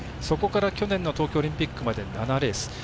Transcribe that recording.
そこから去年の東京オリンピックまで７レース。